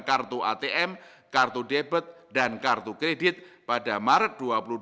kartu atm kartu debit dan kartu kredit pada maret dua ribu dua puluh